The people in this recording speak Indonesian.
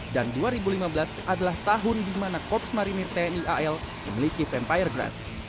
dan dua ribu lima belas adalah tahun di mana korps marinir tni al memiliki vampire grad